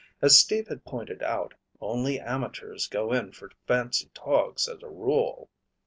As Steve had pointed out, only amateurs go in for fancy togs as a rule.